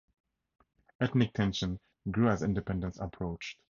Ethnic tension grew as independence approached.